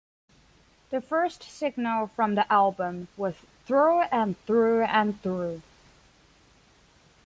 The first single from the album was Through and Through and Through.